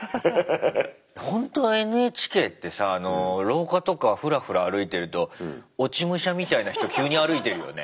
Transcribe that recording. ほんとＮＨＫってさ廊下とかふらふら歩いてると落ち武者みたいな人急に歩いてるよね。